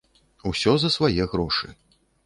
Усё за свае грошы.